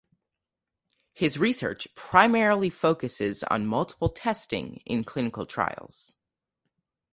His research primarily focuses on multiple testing in clinical trials.